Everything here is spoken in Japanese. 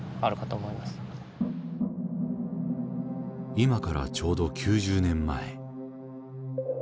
今からちょうど９０年前。